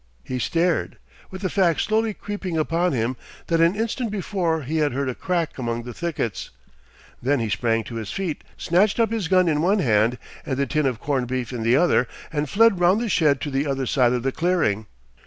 He stared, with the fact slowly creeping upon him that an instant before he had heard a crack among the thickets. Then he sprang to his feet, snatched up his gun in one hand and the tin of corned beef in the other, and fled round the shed to the other side of the clearing.